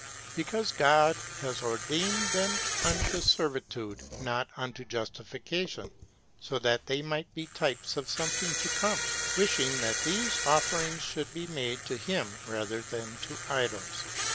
because God has ordained them unto servitude, not unto justification, so that they might be types of something to come, wishing that these offerings should be made to him rather than to idols.